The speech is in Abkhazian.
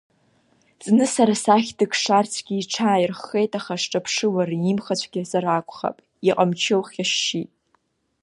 Зны сара сахь дыкшарцгьы иҽааирххеит, аха сҿаԥшылара имхацәгьахазар акухап, иҟамчы лхьашьшьит.